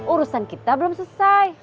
urusan kita belum selesai